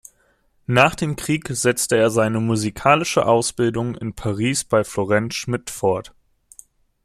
Nach dem Krieg setzte er seine musikalische Ausbildung in Paris bei Florent Schmitt fort.